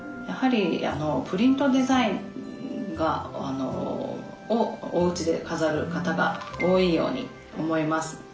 やはりプリントデザインをおうちで飾る方が多いように思います。